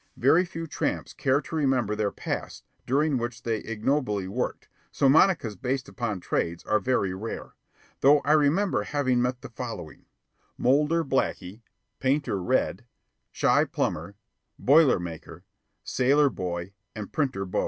Very few tramps care to remember their pasts during which they ignobly worked, so monicas based upon trades are very rare, though I remember having met the following: Moulder Blackey, Painter Red, Chi Plumber, Boiler Maker, Sailor Boy, and Printer Bo.